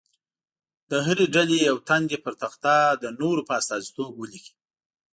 د هرې ډلې یو تن دې پر تخته د نورو په استازیتوب ولیکي.